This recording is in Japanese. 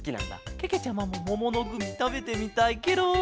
けけちゃまももものグミたべてみたいケロ。